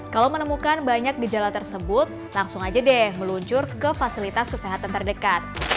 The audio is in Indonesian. kalau menemukan banyak gejala tersebut langsung aja deh meluncur ke fasilitas kesehatan terdekat